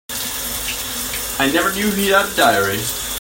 I never knew he had a diary.